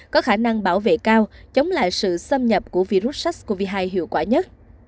có khả năng bảo vệ cao chống lại sự xâm nhập của virus sars cov hai hiệu quả nhất